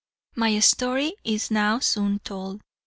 "My story is now soon told.